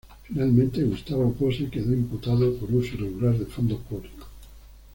Finalmente Gustavo Posse quedó imputado por uso irregular de fondos públicos.